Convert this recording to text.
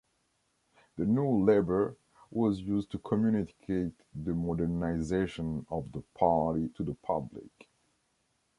The “New Labor” was used to communicate the modernization of the party to the public.